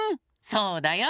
そうだよ。